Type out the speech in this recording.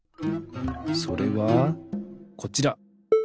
それはこちら！